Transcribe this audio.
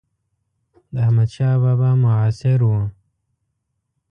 د احمدشاه بابا معاصر و.